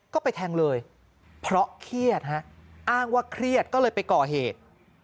ก็ไปแทงเลยเพราะเครียดฮะอ้างว่าเครียดก็เลยไปก่อเหตุ